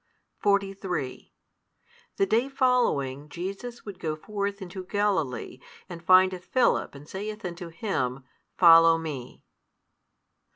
43 The day following Jesus would go forth into Galilee; and findeth Philip, and saith unto him, Follow Me.